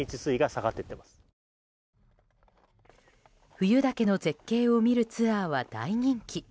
冬だけの絶景を見るツアーは大人気。